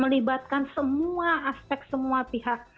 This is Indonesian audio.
melibatkan semua aspek semua pihak